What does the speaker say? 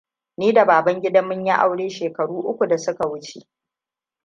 Ni da Babangida mun yi aure shekaru uku da suka wuce.